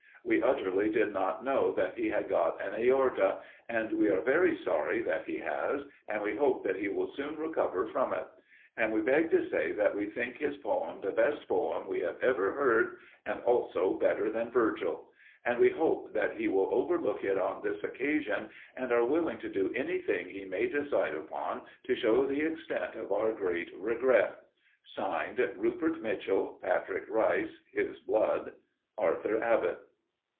We utterly did not know that he had got an aorta, and we are very sorry that he has, and we hope that he will soon recover from it. And we beg to say that we think his poem the best poem we have ever read and also better than Virgil. And we hope that he will overlook it on this occasion and are willing to do anything he may decide upon to show the extent of our great regret. (Signed) RUPERT MITCHELL, PATRICK RICE (his blood), ARTHUR ABBOTT.